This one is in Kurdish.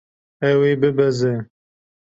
Ew ê bibeze.